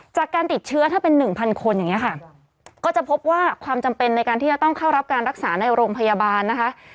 จากการติดเชื้อถ้าเป็นหนึ่งพันคนอย่างนี้ค่ะก็จะพบว่าความจำเป็นในการที่จะต้องเข้ารับการรักษาในโรงพยาบาลนะคะ